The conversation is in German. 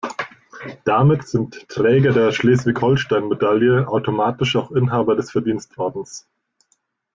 Damit sind Träger der Schleswig-Holstein-Medaille automatisch auch Inhaber des Verdienstordens.